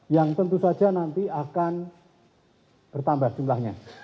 yang tentu saja nanti akan bertambah jumlahnya